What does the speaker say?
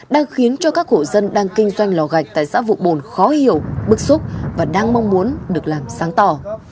đang khiến cho các hộ dân đang kinh doanh lò gạch tại xã vụ bồn khó hiểu bức xúc và đang mong muốn được làm sáng tỏ